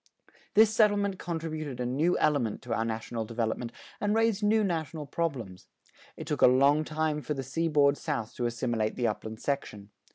This settlement contributed a new element to our national development and raised new national problems. It took a long time for the seaboard South to assimilate the upland section.